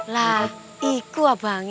lah itu abang